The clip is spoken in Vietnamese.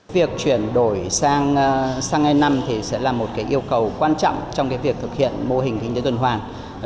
việc chuyển đổi sang e năm sẽ là một yêu cầu quan trọng trong việc thực hiện mô hình kinh tế tuần hoàn